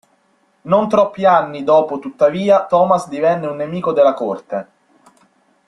Non troppi anni dopo tuttavia Thomas divenne un nemico della corte.